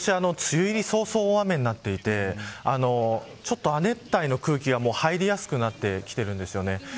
今年は梅雨入り、そうそう大雨になっていてちょっと亜熱帯の空気が入りやすくなってきています。